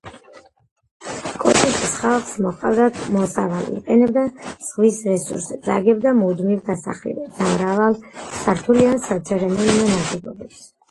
კოტოშის ხალხს მოჰყავდა მოსავალი, იყენებდა ზღვის რესურსებს, აგებდა მუდმივ დასახლებებს და მრავალსართულიან საცერემონიო ნაგებობებს.